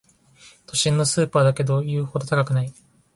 都心のスーパーだけど言うほど高くない